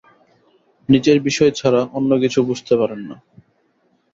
নিজের বিষয় ছাড়া অন্য কিছু বুঝতে পারেন না।